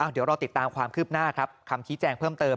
เดี๋ยวเราติดตามความคืบหน้าครับคำชี้แจงเพิ่มเติม